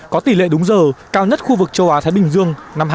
có tỷ lệ đúng giờ cao nhất khu vực châu á thái bình dương năm hai nghìn hai mươi